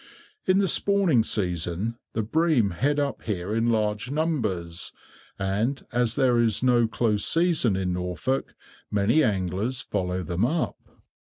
In the spawning season, the bream head up here in large numbers, and as there is no close season in Norfolk, many anglers follow them up.